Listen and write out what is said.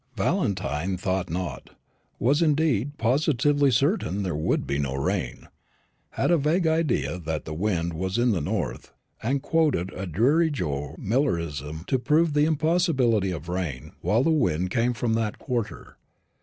Valentine thought not; was, indeed, positively certain there would be no rain; had a vague idea that the wind was in the north; and quoted a dreary Joe Millerism to prove the impossibility of rain while the wind came from that quarter.